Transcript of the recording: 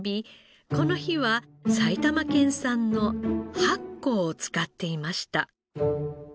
この日は埼玉県産の「白光」を使っていました。